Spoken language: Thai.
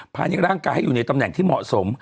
ในร่างกายให้อยู่ในตำแหน่งที่เหมาะสม